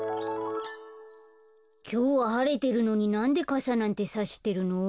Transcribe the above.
きょうははれてるのになんでかさなんてさしてるの？